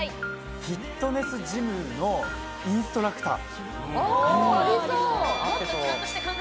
フィットネスジムのインストラクター。